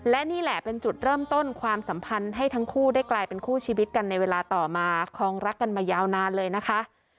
และนี่แหละเป็นจุดเริ่มต้นความสัมพันธ์ให้ทั้งคู่ได้กลายเป็นคู่ชีวิตกันในเวลาต่อมาคลองรักกันมายาวนานเลยนะคะ